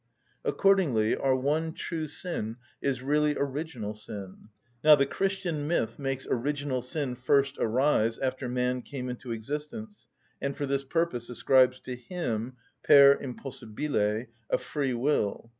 Accordingly our one true sin is really original sin. Now the Christian myth makes original sin first arise after man came into existence, and for this purpose ascribes to him, per impossibile, a free will.